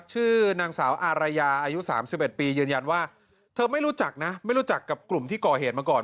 ชื่อนางสาวอารยาอายุ๓๑ปียืนยันว่าเธอไม่รู้จักนะไม่รู้จักกับกลุ่มที่ก่อเหตุมาก่อน